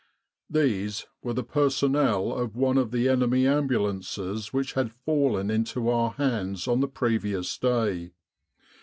These were the personnel of one of the enemy ambu lances which had fallen into our hands on the previous day.